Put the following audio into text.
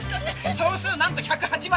総数なんと１０８枚。